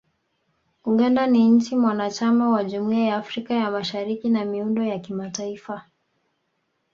Uganda ni nchi mwanachama wa Jumuiya ya Afrika ya Mashariki na miundo ya kimataifa